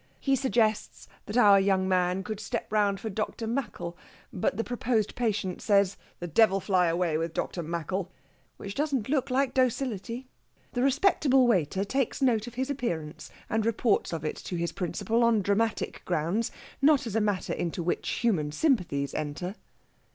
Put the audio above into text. He suggests that our young man could step round for Dr. Maccoll; but the proposed patient says, "The devil fly away with Dr. Maccoll!" which doesn't look like docility. The respectable waiter takes note of his appearance, and reports of it to his principal on dramatic grounds, not as a matter into which human sympathies enter.